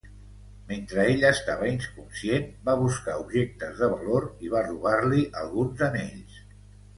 Mentre ella estava inconscient, va buscar objectes de valor i va robar-li alguns anells.